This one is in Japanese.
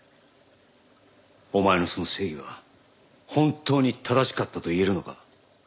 お前のその正義は本当に正しかったと言えるのか？